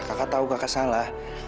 kakak tahu kakak salah